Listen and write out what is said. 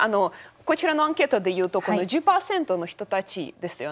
こちらのアンケートで言うとこの１０％の人たちですよね。